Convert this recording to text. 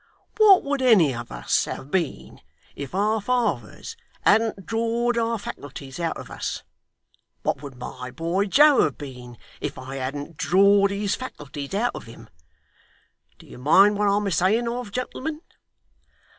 What would any of us have been, if our fathers hadn't drawed our faculties out of us? What would my boy Joe have been, if I hadn't drawed his faculties out of him? Do you mind what I'm a saying of, gentlemen?